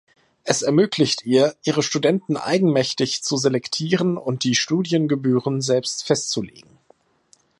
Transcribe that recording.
Es ermöglicht ihr, ihre Studenten eigenmächtig zu selektieren und die Studiengebühren selbst festzulegen.